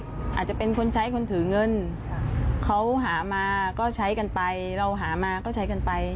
อาจจะเป็นคนใช้คนถือเงินเขาหามาก็ใช้กันไปเราหามาก็ใช้กันไป